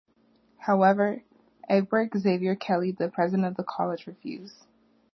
However, Egbert Xavier Kelly, the president of the college, refused.